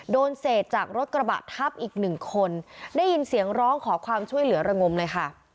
โดนเศษจากรถกระบะทับอีกหนึ่งคนได้ยินเสียงร้องขอความช่วยเหลือระงมเลยค่ะ